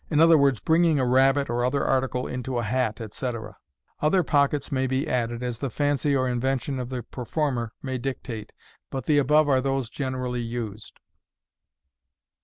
t bringing a rabbit, or other article, into a hat, etc Other pockets may be added, as the fancy or invention of the performer may dictate ; but the above are those generally used.